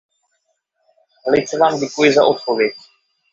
Velice vám děkuji za odpověď.